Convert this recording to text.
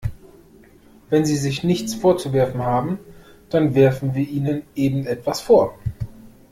Wenn Sie sich nichts vorzuwerfen haben, dann werfen wir Ihnen eben etwas vor.